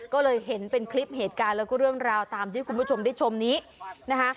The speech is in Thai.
ก็เลยเห็นเป็นคลิปเหตุการณ์แล้วก็เรื่องราวตามที่คุณผู้ชมได้ชมนี้นะคะ